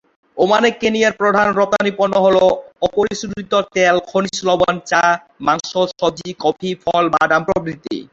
ওমানে কেনিয়ার প্রধান রপ্তানি পণ্য হল; অপরিশোধিত তেল, খনিজ লবণ, চা, মাংস, সবজি, কফি, ফল, বাদাম প্রভৃতি।